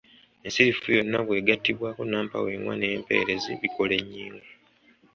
Ensirifu yonna bw’egattibwako nnampawengwa n’empeerezi bikola ennyingo.